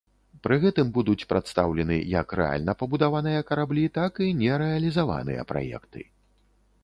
Пры гэтым будуць прадстаўлены як рэальна пабудаваныя караблі, так і нерэалізаваныя праекты.